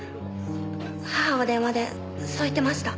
母は電話でそう言ってました。